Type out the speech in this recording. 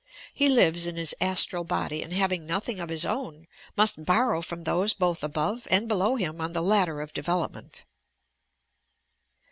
He lives in his astral body and having nothing of bis own, must borrow from Ihosp both above and below him on the Udder of development.